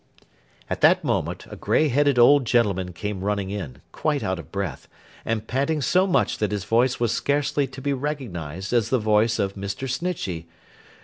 At that moment, a grey headed old gentleman came running in: quite out of breath, and panting so much that his voice was scarcely to be recognised as the voice of Mr. Snitchey.